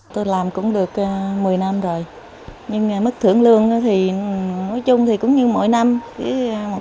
tôi làm cũng được một mươi năm rồi nhưng mức thưởng lương thì nói chung thì cũng như mỗi năm